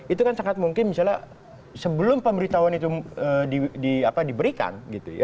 itu kan sangat mungkin misalnya sebelum pemeritahuan itu diberikan